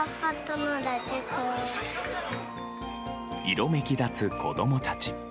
色めき立つ子供たち。